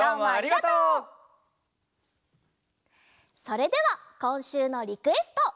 それではこんしゅうのリクエスト！